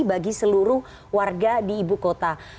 bagi seluruh warga di ibu kota